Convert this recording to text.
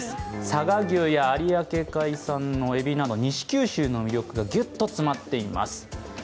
佐賀牛や有明海産のえびなど西九州の魅力がギュッと詰まっています。